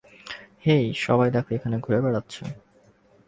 হেই, সবাই দেখো এখানে ঘুরে বেড়াচ্ছে।